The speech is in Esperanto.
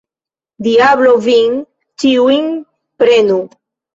Diablo vin ĉiujn prenu!